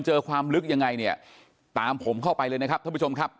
ความลึกยังไงเนี่ยตามผมเข้าไปเลยนะครับท่านผู้ชมครับ